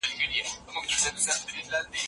د دلارام په بازار کي هره جمعه د مالونو میله وي.